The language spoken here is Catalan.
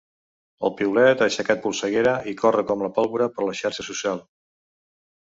El piulet ha aixecat polseguera i corre com la pólvora per la xarxa social.